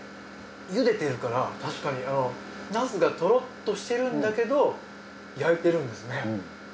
ゆでてるから確かにナスがトロッとしてるんだけど焼いてるんですね。